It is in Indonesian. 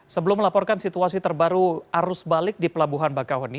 sebelum melaporkan situasi terbaru arus balik di pelabuhan bakahuni